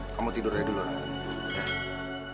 kamu tidurnya dulu rantan